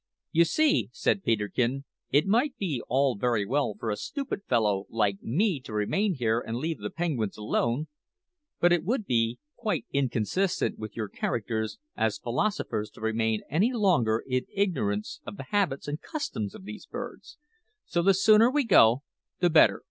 "You see," said Peterkin, "it might be all very well for a stupid fellow like me to remain here and leave the penguins alone; but it would be quite inconsistent with your characters as philosophers to remain any longer in ignorance of the habits and customs of these birds, so the sooner we go the better."